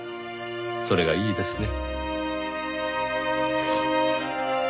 それがいいですね。